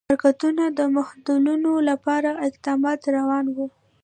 حرکتونو د محدودولو لپاره اقدامات روان وه.